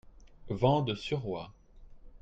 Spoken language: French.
Vent de suroît.